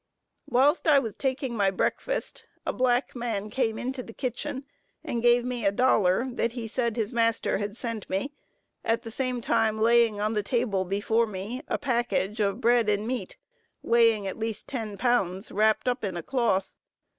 Whilst I was taking my breakfast, a black man came into the kitchen, and gave me a dollar that he said his master had sent me, at the same time laying on the table before me a package of bread and meat, weighing at least ten pounds, wrapped up in a cloth.